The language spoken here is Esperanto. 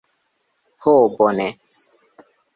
Ho, bone.